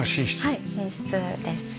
はい寝室です。